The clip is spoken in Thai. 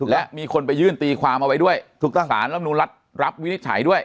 และมีคนไปยื่นตีความเอาไว้ด้วยทุกถ้าสารรับนูนรัฐรับวินิจฉัยด้วย